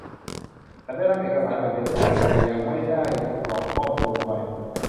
ฉันได้รับเอกสารแบบเดียวกัน แต่ยังไม่ได้กรอกข้อมูลลงไป